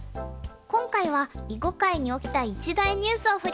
今回は囲碁界に起きた一大ニュースを振り返っていきます。